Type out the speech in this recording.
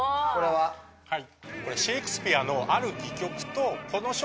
はい。